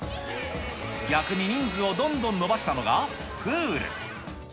逆に人数をどんどん伸ばしたのが、プール。